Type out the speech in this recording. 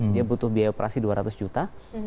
dia butuh biaya operasi dua ratus juta